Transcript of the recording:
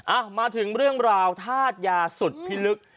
อ่ะมาถึงเรื่องราวทาดยาสุดพิฤกษ์